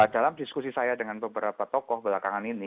dalam diskusi saya dengan beberapa tokoh belakangan ini